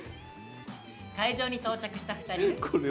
会場に到着した２人。